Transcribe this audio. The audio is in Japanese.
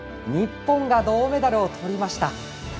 日本が銅メダルをとりました。